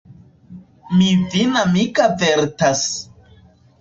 Mi vin amike avertas.